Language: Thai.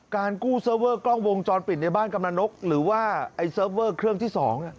การกู้เซอเวอร์กล้องวงจรปิดในบ้านกำนะนกหรือว่าไอ้เซอร์เวอร์เครื่องที่สองเนี้ย